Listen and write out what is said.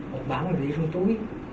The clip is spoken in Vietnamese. một bản là để trong túi